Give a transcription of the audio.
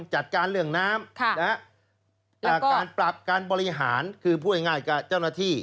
จัดการเรื่องน้ำจากการปรับการบริหารคือพูดง่ายกับเจ้าหน้าที่